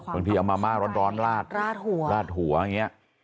บางทีเอามาม่าร้อนลาดหัวลาดหัวอย่างนี้